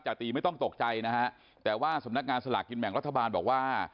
ตีไม่ต้องตกใจนะฮะแต่ว่าสำนักงานสลากกินแบ่งรัฐบาลบอกว่า